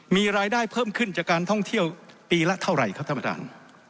มีรายได้เพิ่มขึ้นจากการท่องเที่ยวปีละเท่าไหร่ครับท่านประธาน